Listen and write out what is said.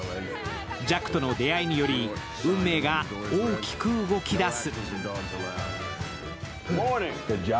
ジャックとの出会いにより、運命が大きく動きだす。